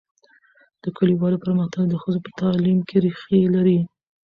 د کلیوالو پرمختګ د ښځو په تعلیم کې ریښې لري.